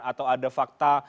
atau ada fakta